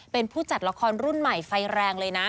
เป็นผู้จัดละครรุ่นใหม่ไฟแรงเลยนะ